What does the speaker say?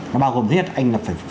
nó bao gồm hết anh là phải